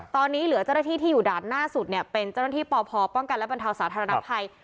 ตอนนี้เหลือเจ้าหน้าที่ที่อยู่ด่านหน้าสุดเนี่ยเป็นเจ้าหน้าที่ปพป้องกันและบรรเทาสาธารณภัย